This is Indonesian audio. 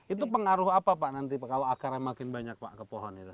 itu pengaruh apa pak nanti pak kalau akarnya makin banyak pak ke pohon itu